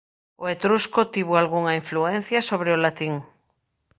O etrusco tivo algunha influencia sobre o latín.